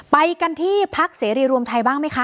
ไปกันที่พักศรีรีย์รวมไทยบ้างมั้ยคะ